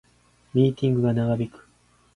ミーティングが長引く